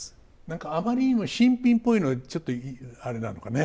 何かあまりにも新品ぽいのはちょっとあれなのかな